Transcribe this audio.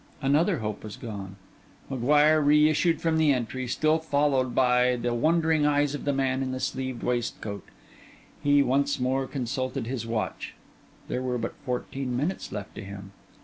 Another hope was gone. M'Guire reissued from the entry, still followed by the wondering eyes of the man in the sleeved waistcoat. He once more consulted his watch: there were but fourteen minutes left to him.